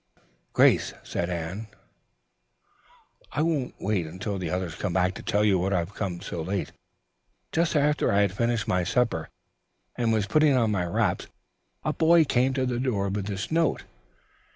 "Grace," said Anne rather tremulously, "I won't wait until the others come back to tell you why I came so late. Just after I had finished my supper and was putting on my wraps a boy came to the door with this note."